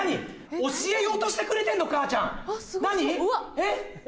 えっ？